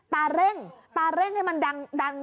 เร่งตาเร่งให้มันดัง